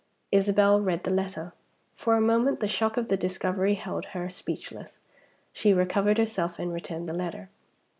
Isabel read the letter. For a moment the shock of the discovery held her speechless. She recovered herself, and returned the letter.